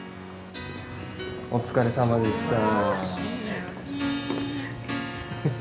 お疲れさまでした。